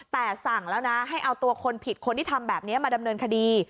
แต่สั่งแล้วนะให้เอาตัวคนผิดคนที่ทำแบบนี้มาดำเนินคดี